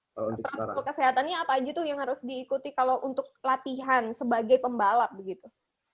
protokol kesehatannya apa aja tuh yang harus diikuti kalau untuk latihan sebagai pembalap begitu